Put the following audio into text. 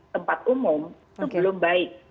tempat umum itu belum baik